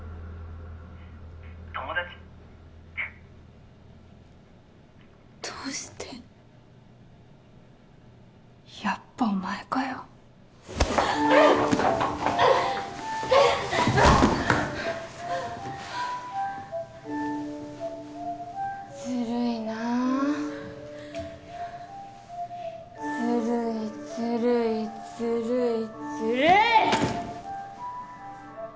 「友達」どうしてやっぱお前かよずるいなぁずるいずるいずるいずるい！